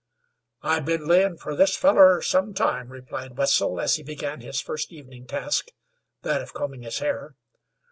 "I've been layin' fer this fellar some time," replied Wetzel, as he began his first evening task, that of combing his hair.